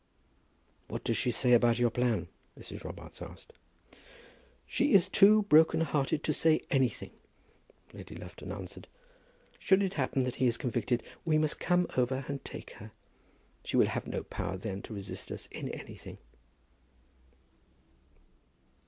"What does she say about your plan?" Mrs. Robarts asked. "She is too broken hearted to say anything," Lady Lufton answered. "Should it happen that he is convicted, we must come over and take her. She will have no power then to resist us in anything."